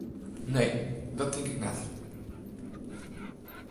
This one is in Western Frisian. Nee, dat tink ik net.